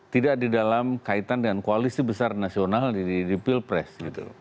tidak di dalam kaitan dengan koalisi besar nasional di pilpres